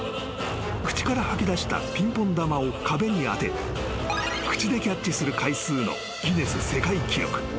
［口から吐き出したピンポン球を壁に当て口でキャッチする回数のギネス世界記録］